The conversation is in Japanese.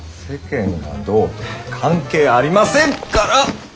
世間がどうとか関係ありませんから！